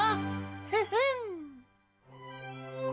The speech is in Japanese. フフン！